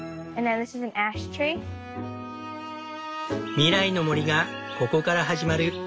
未来の森がここから始まる。